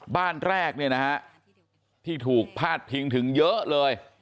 บ้านแรกเนี่ยนะฮะที่ถูกพาดพิงถึงเยอะเลย